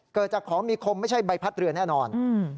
เกิดจากของมีคมไม่ใช่ใบพัดเรือแน่นอน